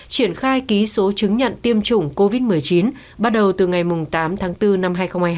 triển khai ký số chứng nhận tiêm chủng covid một mươi chín bắt đầu từ ngày tám tháng bốn năm hai nghìn hai mươi hai